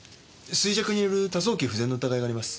衰弱による多臓器不全の疑いがあります。